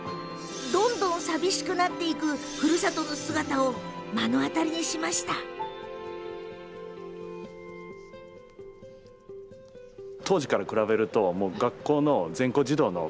どんどん寂しくなっていくふるさとの姿を目の当たりにしたのです。